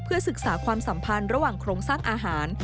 ศึกษาความสัมพันธ์ระหว่างโครงสร้างอาหาร